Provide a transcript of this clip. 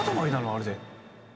あれで。